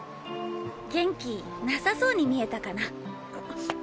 元気なさそうに見えたかな？